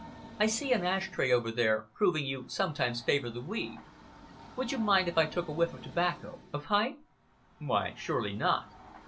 I see an ash tray over there, proving you sometimes favor the weed. Would you mind if I took a whiff of tobacco a pipe?" "Why, surely not."